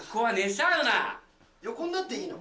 サ横になっていいの？